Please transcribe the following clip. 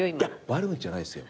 悪口じゃないですよ。